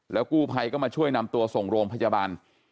แล้วกูภัยก็มาช่วยนำตัวส่งโรงพจบัน